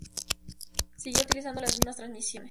Siguió utilizando las mismas transmisiones.